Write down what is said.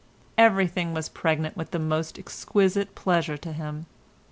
Everything was pregnant with the most exquisite pleasure to him.